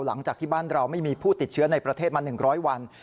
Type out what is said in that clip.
หลังจากที่บ้านเราไม่มีผู้ติดเชื้อในประเทศมา๑๐๐วัน